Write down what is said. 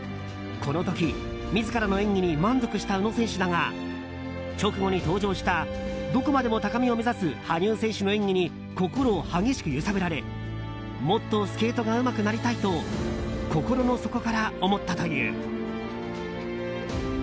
この時、自らの演技に満足した宇野選手だが直後に登場したどこまでも高みを目指す羽生選手の演技に心を激しく揺さぶられもっとスケートがうまくなりたいと心の底から思ったという。